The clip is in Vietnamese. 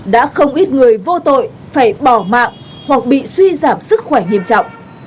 đã không ít người vô tội phải bỏ mạng hoặc bị suy giảm sức khỏe nghiêm trọng